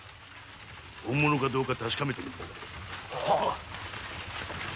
本物かどうか確かめてみる。